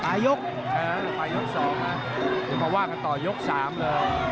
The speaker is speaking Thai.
ปลายยกปลายยก๒นะจะมาว่ากันต่อยก๓เลย